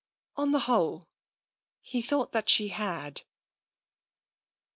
On the whole, he thought that she had.